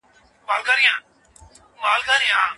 هیلې په لړزېدلو سترګو د کابل د غبارجن اسمان ننداره کوله.